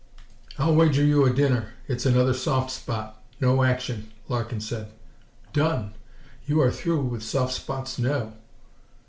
"I'll wager you a dinner it's another soft spot no action," Larkin said. "Done! You are through with soft spots now."